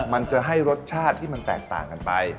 มันจะให้รสชาติที่มันแตกต่างกันไป